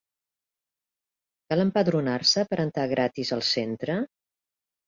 Cal empadronar-se per entrar gratis al centre?